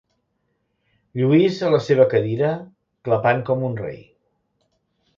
Lluís a la seva cadira, clapant com un rei.